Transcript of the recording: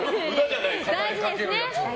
大事です。